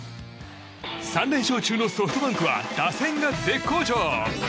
３連勝中のソフトバンクは打線が絶好調。